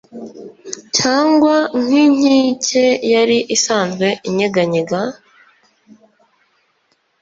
cyangwa nk’inkike yari isanzwe inyeganyega?